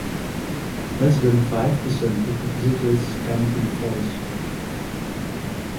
Less than five percent of the visitors camp in the forest.